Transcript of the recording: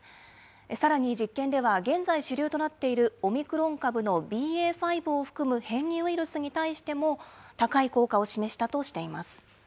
さらに実験では、現在主流となっているオミクロン株のＢＡ．５を含む変異ウイルスに対しても、高い効果を示したとしています。